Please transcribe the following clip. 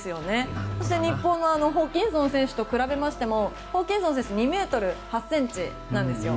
そして日本のホーキンソン選手と比べてもホーキンソン選手は２ｍ８ｃｍなんですよ。